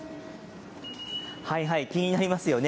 はいはい、気になりますよね。